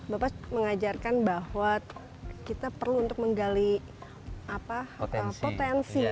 bapak mengajarkan bahwa kita perlu untuk menggali potensi